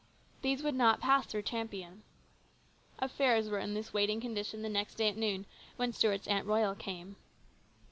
These would not pass through Champion. Affairs were in this waiting condition the next day at noon when Stuart's Aunt Royal came.